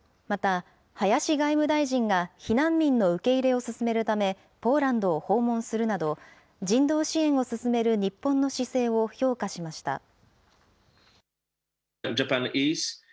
また、林外務大臣が避難民の受け入れを進めるため、ポーランドを訪問するなど、人道支援を進める日本の姿勢を評価しました。